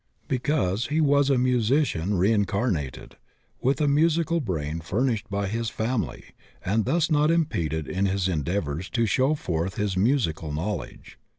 Because he was a musician rein carnated, with a musical brain furnished by his fam ily and thus not impeded in his endeavors to show forth his musical knowledge.